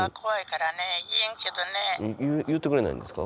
言ってくれないんですか？